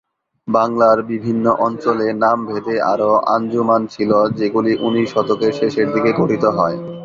বাংলার বিভিন্ন অঞ্চলে নামভেদে আরও আঞ্জুমান ছিল যেগুলি ঊনিশ শতকের শেষের দিকে গঠিত হয়।